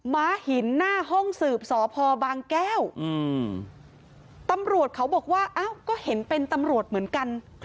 ม้าหินหน้าห้องสืบสพบางแก้วตำรวจเขาบอกว่าอ้าวก็เห็นเป็นตำรวจเหมือนกัน